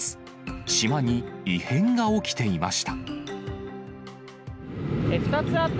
島に異変が起きていました。